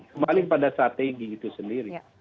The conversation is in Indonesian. kembali pada strategi itu sendiri